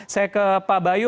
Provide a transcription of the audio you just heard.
saya ke pak bayu